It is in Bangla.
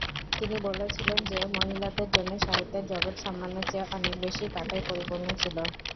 তিনি বলেছিলেন যে, মহিলাদের জন্য সাহিত্যের জগৎ সম্মানের চেয়ে অনেক বেশি কাঁটায় পরিপূর্ণ ছিল।